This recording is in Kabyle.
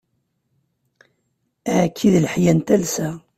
Aɛekki d leḥya n talsa.